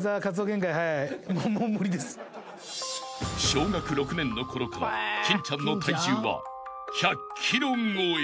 ［小学６年のころから金ちゃんの体重は１００ｋｇ超え］